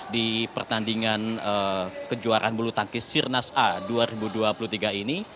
di pertandingan kejuaraan bulu tangkis sirnas a dua ribu dua puluh tiga ini